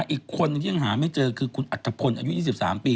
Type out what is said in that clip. อีกคนนึงที่ยังหาไม่เจอคือคุณอัตภพลอายุ๒๓ปี